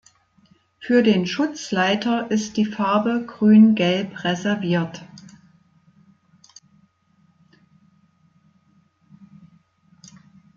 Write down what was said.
Für den Schutzleiter ist die Farbe grün-gelb reserviert.